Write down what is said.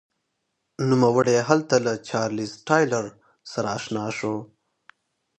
نوموړی هلته له چارلېز ټایلر سره اشنا شو.